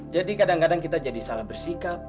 jadi kadang kadang kita jadi salah bersikap